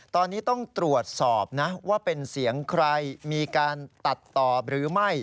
ตอนนี้ต้องตรวจสอบนะว่าเป็นเสียงใครมีการตัดต่อหรือไม่